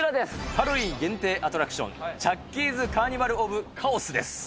ハロウィーン限定アトラクション、チャッキーズ・カーニバル・オブ・カオスです。